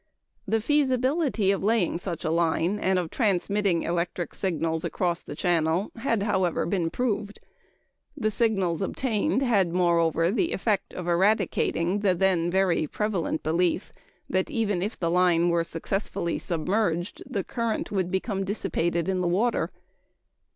The feasibility of laying such a line and of transmitting electric signals across the Channel had, however, been proved. The signals obtained had, moreover, the effect of eradicating the then very prevalent belief that, even if the line were successfully submerged, the current would become dissipated in the water.